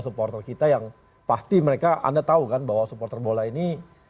supporter kita yang pasti mereka anda tahu kan bahwa supporter bola ini